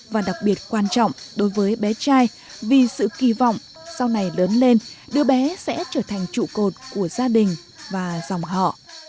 và đặc biệt quan trọng đối với bé trai vì sự kỳ vọng sau này lớn lên đứa bé sẽ trở thành trụ cột của gia đình và dòng họ